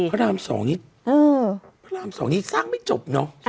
พระรามสองนี้สร้างไม่จบเนอะ